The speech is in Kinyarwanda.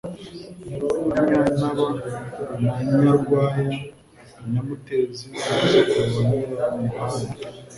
na Nyantaba ya Nyarwaya-Nyamutezi umwuzukuru wa Nyiramuhanda